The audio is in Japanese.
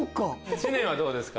知念はどうですか？